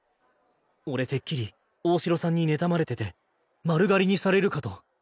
俺てっきり大城さんに妬まれてて丸刈りにされるかと。